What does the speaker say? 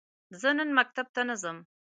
زه نن مکتب ته نه ځم.